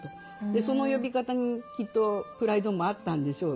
その呼び方にきっとプライドもあったんでしょうね。